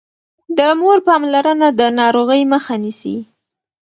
د مور پاملرنه د ناروغۍ مخه نيسي.